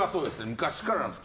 昔からなんです。